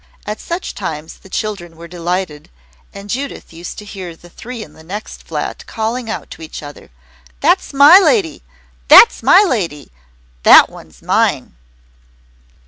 At such times the children were delighted, and Judith used to hear the three in the next flat calling out to each other, "That's MY lady! That's MY lady! That one's mine!"